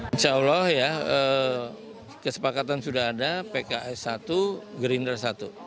insya allah ya kesepakatan sudah ada pks satu gerindra satu